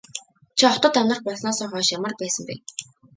Чи хотод амьдрах болсноосоо хойш ямар байсан бэ?